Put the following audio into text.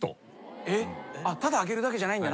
ただあげるだけじゃないんだ。